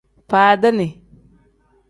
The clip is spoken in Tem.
Faadini.